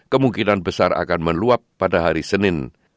kemungkinan besar akan meluap pada hari senin